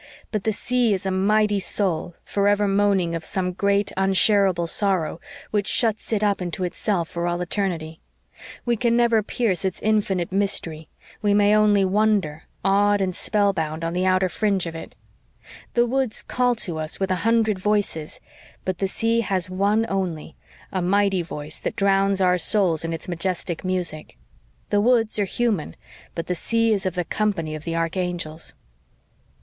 But the sea is a mighty soul, forever moaning of some great, unshareable sorrow, which shuts it up into itself for all eternity. We can never pierce its infinite mystery we may only wander, awed and spellbound, on the outer fringe of it. The woods call to us with a hundred voices, but the sea has one only a mighty voice that drowns our souls in its majestic music. The woods are human, but the sea is of the company of the archangels.